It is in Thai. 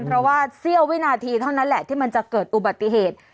เพราะว่าเสี้ยววินาทีเท่านั้นแหละที่มันจะเกิดอุบัติเหตุ